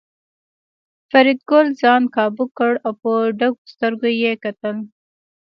فریدګل ځان کابو کړ او په ډکو سترګو یې کتل